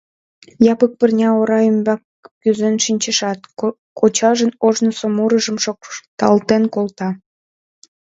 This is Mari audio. Япык пырня ора ӱмбак кӱзен шинчешат, кочажын ожнысо мурыжым шокталтен колта.